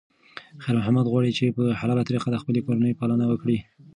خیر محمد غواړي چې په حلاله طریقه د خپلې کورنۍ پالنه وکړي.